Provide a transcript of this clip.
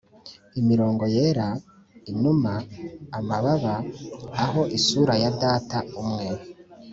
imirongo yera, inuma-amababa, aho isura ya data umwe